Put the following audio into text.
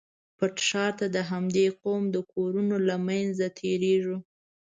پټ ښار ته د همدې قوم د کورونو له منځه تېرېږو.